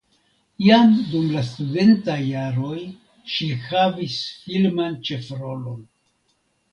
Jam dum la studentaj jaroj ŝi havis filman ĉefrolon.